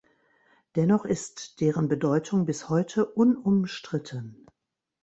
Dennoch ist deren Bedeutung bis heute unumstritten.